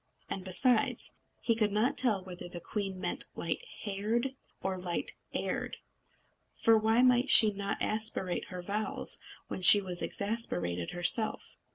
And besides, he could not tell whether the queen meant light haired or light heired; for why might she not aspirate her vowels when she was exasperated herself?